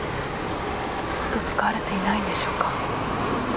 ずっと使われていないんでしょうか。